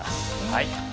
はい。